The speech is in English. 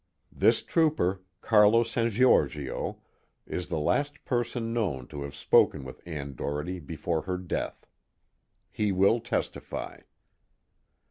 This trooper, Carlo San Giorgio, is the last person known to have spoken with Ann Doherty before her death. He will testify.